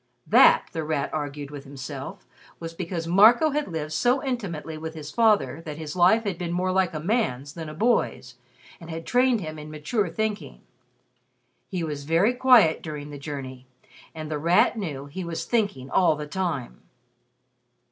That, The Rat argued with himself, was because Marco had lived so intimately with his father that his life had been more like a man's than a boy's and had trained him in mature thinking. He was very quiet during the journey, and The Rat knew he was thinking all the time.